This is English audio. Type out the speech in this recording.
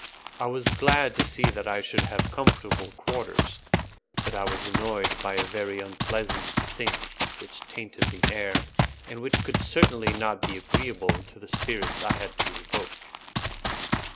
I was glad to see that I should have comfortable quarters, but I was annoyed by a very unpleasant stink which tainted the air, and which could certainly not be agreeable to the spirits I had to evoke.